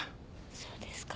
そうですか。